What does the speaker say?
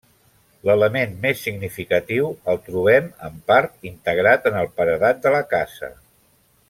L'element més significatiu el trobem, en part, integrat en el paredat de la casa.